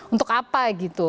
untuk apa gitu